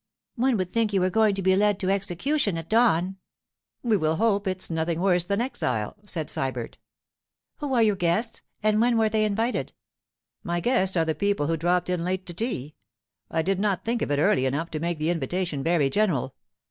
'One would think you were going to be led to execution at dawn.' 'We will hope it's nothing worse than exile,' said Sybert. 'Who are your guests, and when were they invited?' 'My guests are the people who dropped in late to tea; I did not think of it early enough to make the invitation very general.